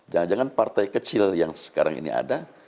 jangan jangan partai kecil yang sekarang ini ada